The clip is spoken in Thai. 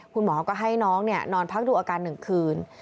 คุณหมอก็ให้น้องนอนพักดูอาการ๑คืน